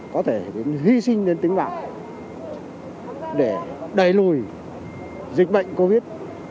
có thể hy sinh đến tính mạng để đẩy lùi dịch bệnh covid